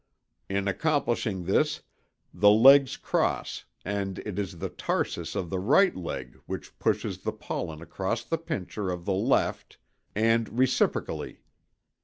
In accomplishing this, the legs cross and it is the tarsus of the right leg which pushes the pollen across the pincher of the left, and reciprocally.